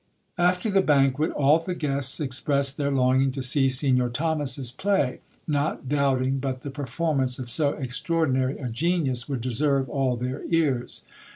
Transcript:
After the banquet, all the guests expressed their longing to see Signor Thomas's play, not doubting but the performance of so extraordinary a genius would deserve all their ears.